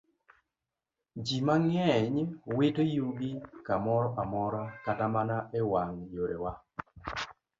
Ji mang'eny wito yugi kamoro amora, kata mana e wang' yorewa.